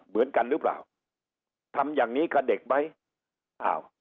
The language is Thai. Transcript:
เหมือนกันหรือเปล่าทำอย่างนี้กับเด็กไหมอ้าว